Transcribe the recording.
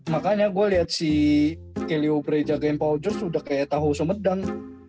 makanya gue liat si kelly oubre jagain paul george udah kayak tahu semedang